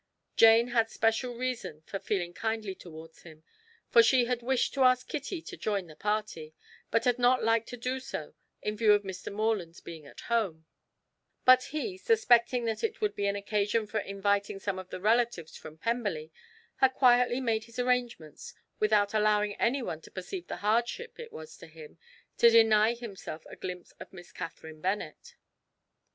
Jane had special reason for feeling kindly towards him, for she had wished to ask Kitty to join the party, but had not liked to do so in view of Mr. Morland's being at home, but he, suspecting that it would be an occasion for inviting some of the relatives from Pemberley, had quietly made his arrangements without allowing anyone to perceive the hardship it was to him to deny himself a glimpse of Miss Catherine Bennet.